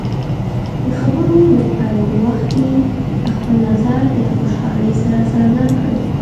د خبرو د پیل په وخت کې خپل نظر د خوشحالۍ سره څرګند کړئ.